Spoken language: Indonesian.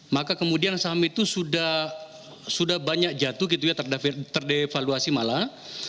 maka kemudian saham itu sudah banyak jatuh gitu ya terdevaluasi malah